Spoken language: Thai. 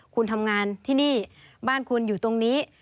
คุณทำงานที่นี่บ้านคุณอยู่ตรงนี้